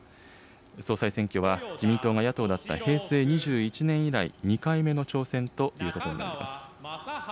総裁選挙は自民党が野党だった平成２１年以来、２回目の挑戦ということになります。